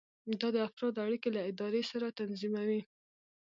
دا د افرادو اړیکې له ادارې سره تنظیموي.